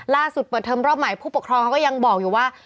เปิดเทอมรอบใหม่ผู้ปกครองเขาก็ยังบอกอยู่ว่า